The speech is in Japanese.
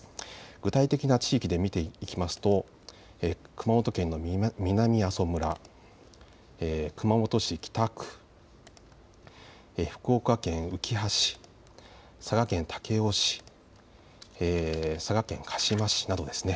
具体的な地域で見ていきますと熊本県の南阿蘇村、熊本市北区、福岡県うきは市、佐賀県武雄市、佐賀県鹿島市などですね。